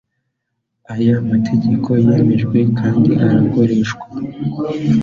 Aya mategeko yemejwe kandi arakoreshwa